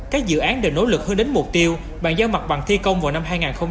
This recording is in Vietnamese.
các dự án đều nỗ lực hơn đến mục tiêu bàn giao mặt bằng thi công vào năm hai nghìn hai mươi năm